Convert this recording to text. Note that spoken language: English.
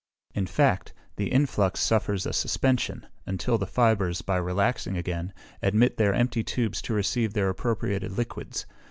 In fact, the influx suffers a suspension, until the fibres, by relaxing again, admit their empty tubes to receive their appropriated liquids.